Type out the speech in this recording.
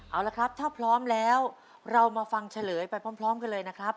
เอาละครับถ้าพร้อมแล้วเรามาฟังเฉลยไปพร้อมกันเลยนะครับ